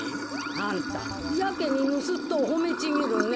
あんたやけにぬすっとをほめちぎるね。